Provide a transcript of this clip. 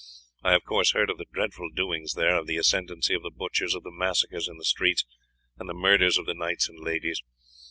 I of course heard of the dreadful doings there, of the ascendency of the butchers, of the massacres in the streets, and the murders of the knights and ladies.